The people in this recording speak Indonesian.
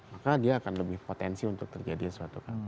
maka dia akan lebih potensi untuk terjadi sesuatu